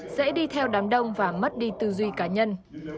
dễ đi theo đám đông và mất đi tư duy cá nhân